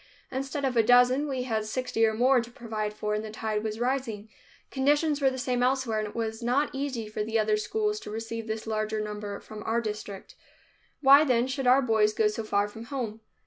Instead of a dozen, we had sixty or more to provide for and the tide was rising. Conditions were the same elsewhere and it was not easy for the other schools to receive this larger number from our district. Why, then, should our boys go so far from home?